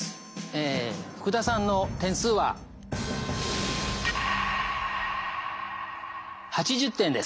え福田さんの点数は８０点です。